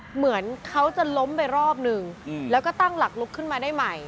เหมือนเขาจะล้มไปรอบนึงแล้วก็ตั้งหลักลุกขึ้นมาได้ใหม่